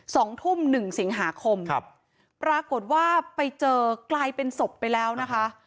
สองทุ่มหนึ่งสิงหาคมครับปรากฏว่าไปเจอกลายเป็นศพไปแล้วนะคะ